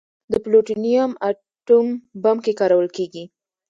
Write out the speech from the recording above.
د پلوټونیم اټوم بم کې کارول کېږي.